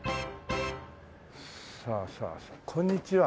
さあさあさあこんにちは。